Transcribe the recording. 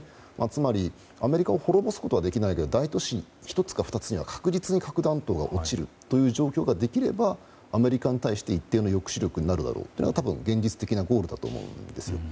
つまり、アメリカを滅ぼすことはできないで大都市１つか２つには確実に核弾頭が落ちる状況ができればアメリカに対して一定の抑止力になるだろうというのが多分、現実的なゴールだと思うんです。